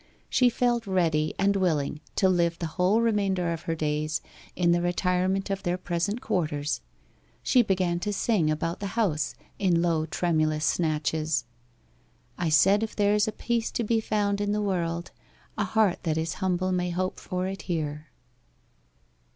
She felt ready and willing to live the whole remainder of her days in the retirement of their present quarters: she began to sing about the house in low tremulous snatches '" I said, if there's peace to be found in the world, A heart that is humble may hope for it here."